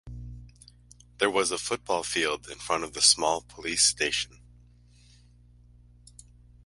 There was a football field in front of the small Police station.